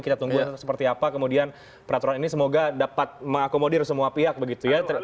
kita tunggu seperti apa kemudian peraturan ini semoga dapat mengakomodir semua pihak begitu ya